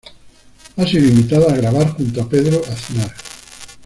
Ha sido invitada a grabar junto a Pedro Aznar.